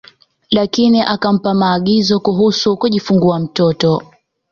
Lakini akampa maagizo kuhusu kujifungua mtoto